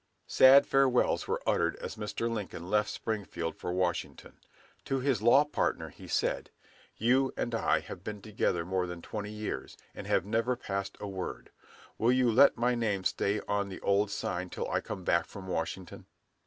Sad farewells were uttered as Mr. Lincoln left Springfield for Washington. To his law partner he said, "You and I have been together more than twenty years, and have never passed a word. Will you let my name stay on the old sign till I come back from Washington?"